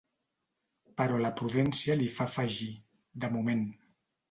Però la prudència li fa afegir, “de moment”.